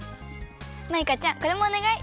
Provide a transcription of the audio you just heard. マイカちゃんこれもおねがい。